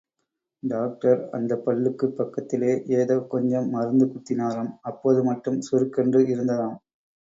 Doctor அந்தப் பல்லுக்குப் பக்கத்திலே ஏதோ கொஞ்சம் மருந்து குத்தினாராம், அப்போது மட்டும் சுருக்கென்று இருந்ததாம்.